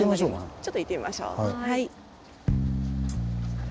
ちょっと行ってみましょう。